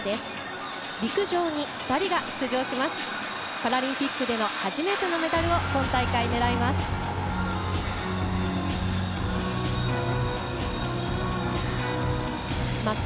パラリンピックでの初めてのメダルを今大会狙います。